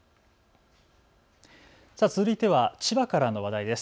続いては千葉からの話題です。